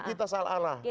kita salah arah